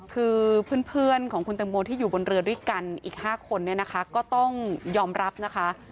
คือเพื่อนของคุณตังโมที่อยู่บนเรือด้วยกันอีก๕คนเนี่ยนะคะก็ต้องยอมรับนะคะ